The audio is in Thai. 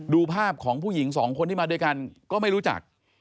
ดูภาพของผู้หญิงสองคนที่มาด้วยกันก็ไม่รู้จัก